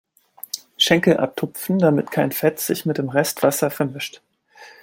Schenkel abtupfen, damit kein Fett sich mit dem Rest Wasser vermischt.